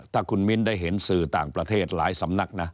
ถ้าคุณมิ้นได้เห็นสื่อต่างประเทศหลายสำนักนะ